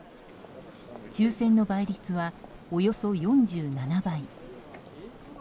抽選の倍率はおよそ４７倍。